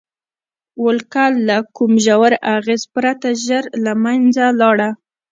ولکه له کوم ژور اغېز پرته ژر له منځه لاړه.